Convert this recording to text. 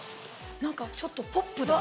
何かちょっとポップだ。